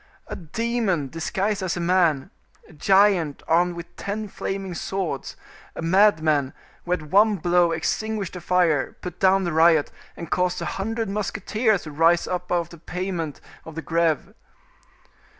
"A demon disguised as a man, a giant armed with ten flaming swords—a madman, who at one blow extinguished the fire, put down the riot, and caused a hundred musketeers to rise up out of the pavement of the Greve."